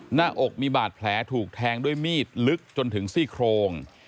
หน้าอกมีบาดแผลถูกแทงด้วยมีดลึกจนถึงซี่โครง